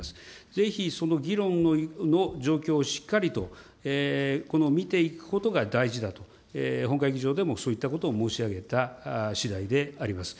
ぜひ、その議論の状況をしっかりと見ていくことが大事だと、本会議場でもそういったことを申し上げたしだいであります。